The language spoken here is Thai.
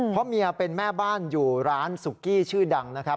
เพราะเมียเป็นแม่บ้านอยู่ร้านสุกี้ชื่อดังนะครับ